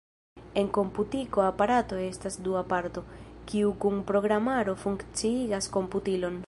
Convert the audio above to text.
En komputiko aparato estas dua parto, kiu kun programaro funkciigas komputilon.